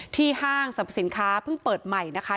ห้างสรรพสินค้าเพิ่งเปิดใหม่นะคะ